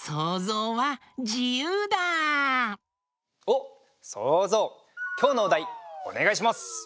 おっそうぞうきょうのおだいおねがいします。